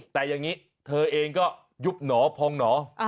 แต่อย่างนี้เธอเองก็ยุบหนอพองหนอ